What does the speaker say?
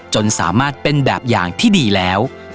จนสามารถเป็นแบบอย่างที่ดีแล้ว